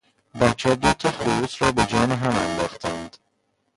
بچهها دو تا خروس را به جان هم انداختند.